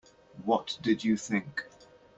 What did you think?